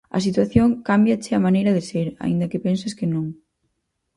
A situación cámbiache a maneira de ser, aínda que penses que non.